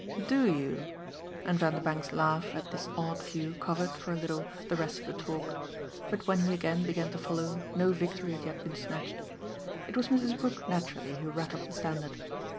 "DO you?" And Vanderbank's laugh at this odd view covered, for a little, the rest of the talk. But when he again began to follow no victory had yet been snatched. It was Mrs. Brook naturally who rattled the standard.